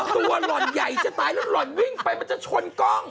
หล่อนใหญ่จะตายแล้วหล่อนวิ่งไปมันจะชนกล้อง